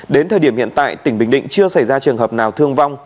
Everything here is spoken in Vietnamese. đến thời điểm hiện tại tỉnh bình định chưa xảy ra trường hợp nào thương vong